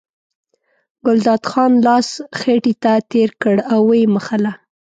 ګلداد خان لاس خېټې ته تېر کړ او یې مښله.